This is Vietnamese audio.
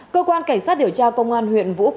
cơ quan cảnh sát điều tra công an huyện vũ quang